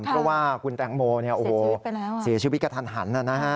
เพราะว่าคุณแตงโมเสียชีวิตกระทันหันนะฮะ